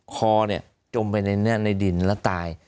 คอเนี่ยจมไปนะเนี่ยในดินแล้วตาย